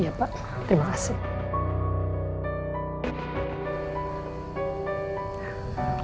iya pak terima kasih